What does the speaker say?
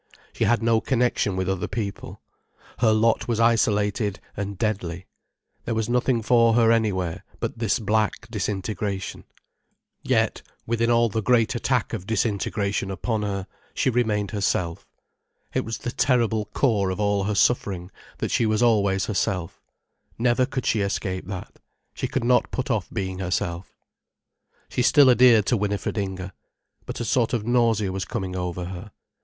She had no connection with other people. Her lot was isolated and deadly. There was nothing for her anywhere, but this black disintegration. Yet, within all the great attack of disintegration upon her, she remained herself. It was the terrible core of all her suffering, that she was always herself. Never could she escape that: she could not put off being herself. She still adhered to Winifred Inger. But a sort of nausea was coming over her.